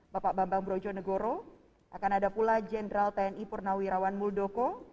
bapak bambang brojonegoro akan ada pula jenderal tni purnawirawan muldoko